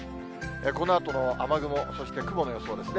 このあとの雨雲、そして雲の予想ですね。